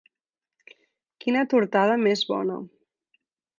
Quina tortada més bona